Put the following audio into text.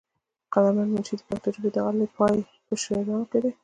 قدر مند منشي د پښتو ژبې د اعلى پائي پۀ شاعرانو کښې دے ۔